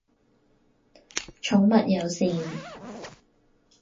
寵物友善